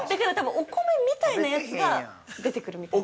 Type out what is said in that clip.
◆お米みたいなやつが出てくるみたいな。